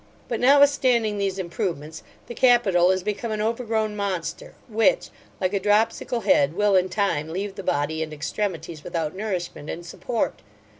But, notwithstanding these improvements, the capital is become an overgrown monster; which, like a dropsical head, will in time leave the body and extremities without nourishment and support.